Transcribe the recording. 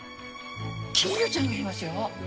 金魚ちゃんがいますよ。